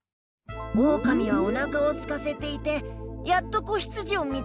オオカミはおなかをすかせていてやっと子ヒツジを見つけた。